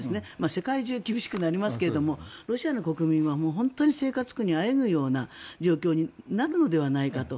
世界中厳しくなりますけどもロシアの国民は本当に生活苦にあえぐような状況になるのではないかと。